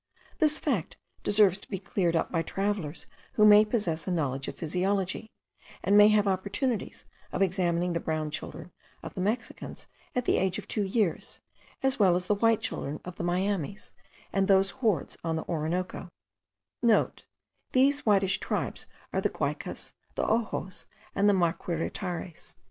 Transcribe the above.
This fact deserves to be cleared up by travellers who may possess a knowledge of physiology, and may have opportunities of examining the brown children of the Mexicans at the age of two years, as well as the white children of the Miamis, and those hordes* on the Orinoco (* These whitish tribes are the Guaycas, the Ojos, and the Maquiritares.)